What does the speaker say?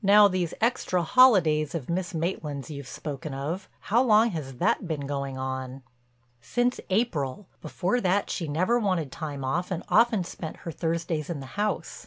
Now these extra holidays of Miss Maitland's you've spoken of—how long has that been going on?" "Since April. Before that she never wanted time off and often spent her Thursdays in the house.